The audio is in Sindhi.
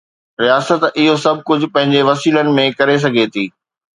رياست اهو سڀ ڪجهه پنهنجي وسيلن ۾ ڪري سگهي ٿي.